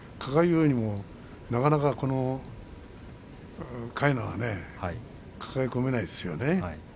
なかなかこのかいなはね抱え込めないですよね。